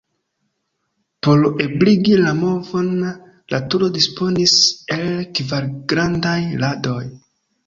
Por ebligi la movon, la turo disponis el kvar grandaj radoj.